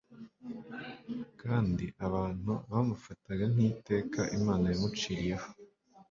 kandi abantu babufataga nk’iteka Imana yamuciriyeho.